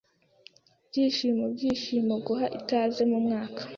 Byishimo byishimo guha ikaze mumwaka